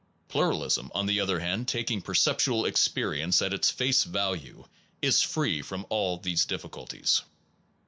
Pluralism, on the other hand, taking per ceptual experience at its face value, is free from all these difficulties.